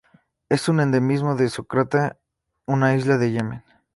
Es un endemismo de Socotra, una isla de Yemen.